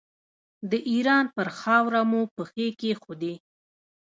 د ایران پر خاوره مو پښې کېښودې.